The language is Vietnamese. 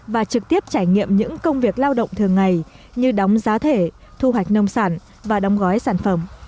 và trực tiếp trải nghiệm những công việc lao động thường ngày như đóng giá thể thu hoạch nông sản và đóng gói sản phẩm